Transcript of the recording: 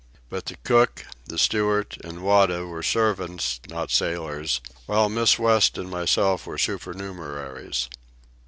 But the cook, the steward, and Wada were servants, not sailors, while Miss West and myself were supernumeraries.